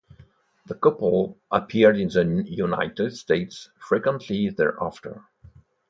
The couple appeared in the United States frequently thereafter.